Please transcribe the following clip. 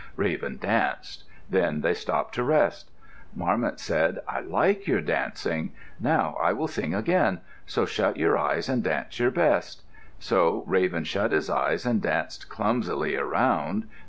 Raven danced. Then they stopped to rest. Marmot said, "I like your dancing. Now I will sing again, so shut your eyes and dance your best." So Raven shut his eyes and danced clumsily around.